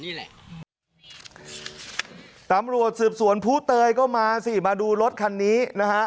นี่แหละตำรวจสืบสวนผู้เตยก็มาสิมาดูรถคันนี้นะฮะ